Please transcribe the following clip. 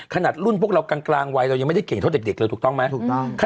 ขนาดรุ่นพวกเรากลางวัยเรายังไม่ได้เก่งเท่าเด็กเลยถูกต้องไหมถูกต้อง